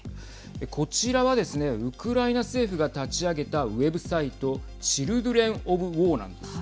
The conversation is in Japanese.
こちらはですねウクライナ政府が立ち上げたウェブサイトチルドレン・オブ・ウォーなんですね。